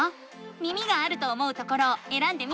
耳があると思うところをえらんでみて。